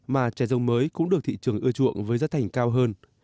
mà trẻ rồng mới cũng được thị trường ưa chuộng với giá thành cao hơn